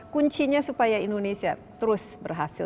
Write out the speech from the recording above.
kuncinya supaya indonesia terus berhasil